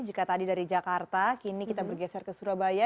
jika tadi dari jakarta kini kita bergeser ke surabaya